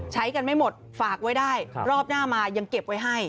ใช้กันไม่หมดฝากไว้ได้รอบหน้ามายังเก็บไว้ให้